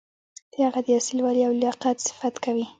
د هغه د اصیل والي او لیاقت صفت کوي.